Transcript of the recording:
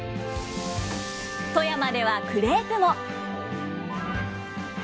富山ではクレープも。